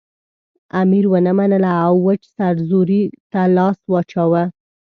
امیر ونه منله او وچ سرزوری ته لاس واچاوه.